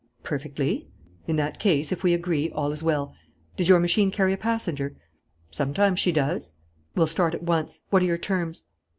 "Perfectly." "In that case, if we agree, all is well. Does your machine carry a passenger?" "Sometimes she does." "We'll start at once. What are your terms?"